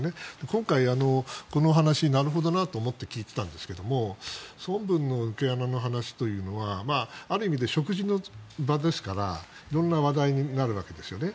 今回この話なるほどなと思って聞いていたんですが孫文の抜け穴の話というのはある意味で食事の場ですから色んな話題になるわけですね。